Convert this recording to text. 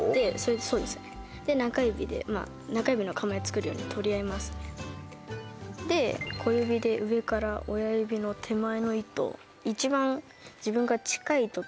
そうですねで中指で中指の構え作るように取り合いますねで小指で上から親指の手前の糸を一番自分から近い糸というか親指の